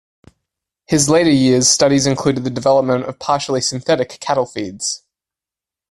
His later years studies included the development of partially synthetic cattle feeds.